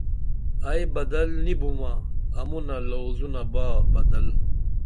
ائی بدل نی بُومہ امونہ لوزونہ با بدل